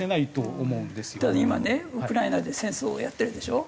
今ねウクライナで戦争をやってるでしょ。